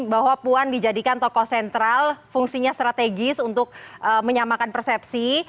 bahwa puan dijadikan tokoh sentral fungsinya strategis untuk menyamakan persepsi